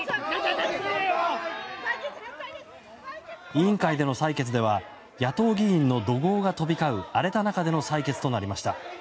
委員会での採決では野党議員の怒号が飛び交う荒れた中での採決となりました。